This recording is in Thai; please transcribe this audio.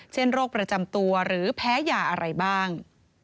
เช่นโรคประจำตัวหรือแพ้ยาอะไรบ้าง